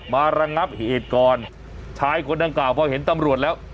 ระงับเหตุก่อนชายคนดังกล่าวพอเห็นตำรวจแล้ว